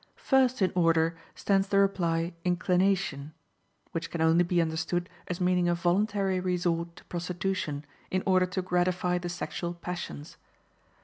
First in order stands the reply "Inclination," which can only be understood as meaning a voluntary resort to prostitution in order to gratify the sexual passions.